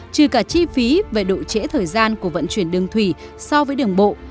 trừ cả chi phí về độ trễ thời gian của vận chuyển đường thủy so với đường bộ